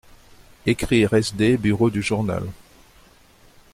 Ecrire SD bureau du journal.